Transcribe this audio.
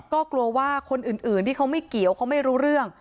ก็กลัวว่าคนอื่นที่เขาไม่เกี่ยวเขาไม่รู้เรื่อง